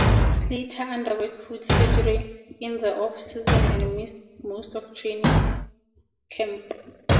Slater underwent foot surgery in the off-season and missed most of training camp.